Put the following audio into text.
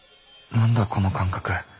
何だこの感覚。